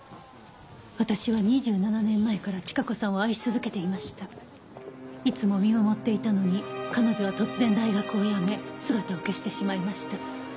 「私は２７年前から千加子さんを愛し続けていました」「いつも見守っていたのに彼女は突然大学を辞め姿を消してしまいました」